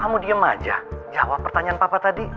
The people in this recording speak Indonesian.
kamu diem aja jawab pertanyaan papa tadi